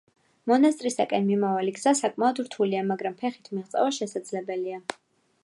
მონასტრისაკენ მიმავალი გზა საკმაოდ რთულია, მაგრამ ფეხით მიღწევა შესაძლებელია.